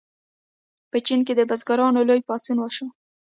په چین کې د بزګرانو لوی پاڅون وشو.